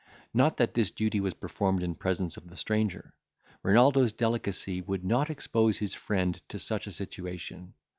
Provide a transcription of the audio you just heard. Not that this duty was performed in presence of the stranger—Renaldo's delicacy would not expose his friend to such a situation.